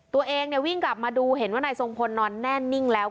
ตัวเองวิ่งกลับมาดูเห็นว่านายทรงพลนอนแน่นิ่งแล้ว